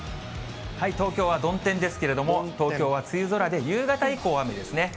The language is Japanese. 東京は曇天ですけれども、東京は梅雨空で、夕方以降、雨ですね。